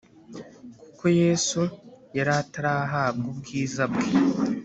kuko Yesu yari atarahabwa ubwiza bwe